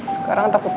sekarang takut mati